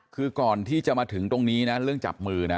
คือก่อนที่จะมาถึงตรงนี้นะเรื่องจับมือนะ